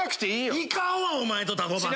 行かんわお前とタコパなんか。